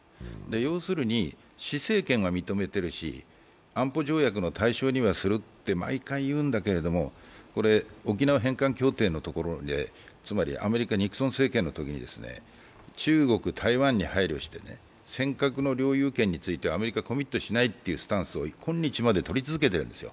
要するに施政権は認めてるし安保条約の対象にすると毎回言うんだけれども沖縄返還協定のところでつまりアメリカ・ニクソン政権のときに中国や台湾に配慮して、尖閣の領有権については、アメリカはコミットしないというスタンスをとり続けてるんです。